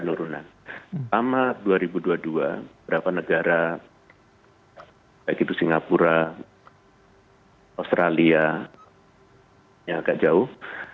selama dua ribu dua puluh dua beberapa negara baik itu singapura australia yang agak jauh